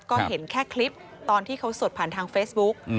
ก็เห็นแค่คลิปตอนที่เขาสดผ่านทางเฟซบุ๊ก